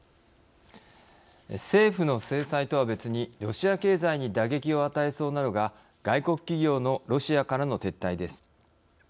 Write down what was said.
政府の制裁とは別にロシア経済に打撃を与えそうなのが外国企業のロシアからの撤退です。